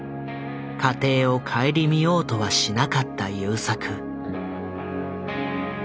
家庭を顧みようとはしなかった優作。